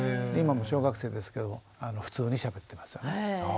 今もう小学生ですけれども普通にしゃべってますよね。